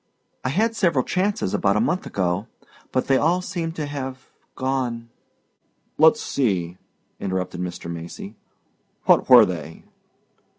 I had several chances about a month ago but they all seem to have gone " "Let's see," interrupted Mr. Macy. "What were they?"